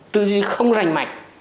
tư duy không rành mạch